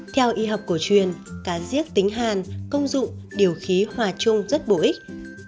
theo y học cổ truyền cá giết tính hàn công dụng điều khí hòa chung rất bổ ích